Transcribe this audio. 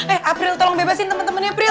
eh april tolong bebasin temen temennya april